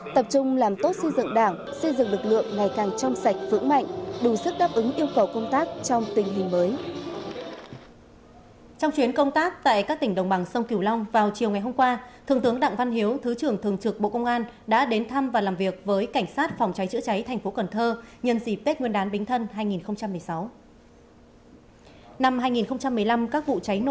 tập trung làm tốt xây dựng đảng xây dựng lực lượng ngày càng trong sạch vững mạnh đủ sức đáp ứng yêu cầu công tác trong tình hình mới